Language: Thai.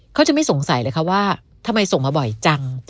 เขาจะไม่สงสัยเลยค่ะว่าทำไมส่งมาบ่อยจัง